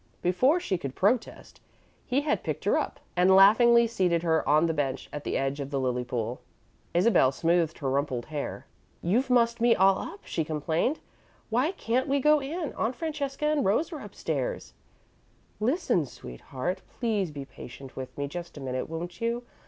Before she could protest, he had picked her up and laughingly seated her on the bench at the edge of the lily pool. Isabel smoothed her rumpled hair. "You've mussed me all up," she complained. "Why can't we go in? Aunt Francesca and Rose are upstairs." "Listen, sweetheart. Please be patient with me just a minute, won't you?